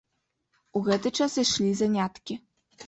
У гэты час ішлі заняткі.